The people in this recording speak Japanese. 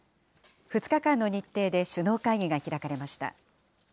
２日間の日程で首脳会議が開かれました。